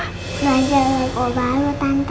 belajar lagu baru tante